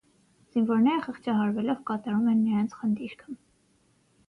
Զինվորները խղճահարվելով կատարում են նրանց խնդիրքը։